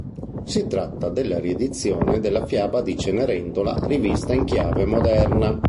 Si tratta della riedizione della fiaba di Cenerentola rivista in chiave moderna.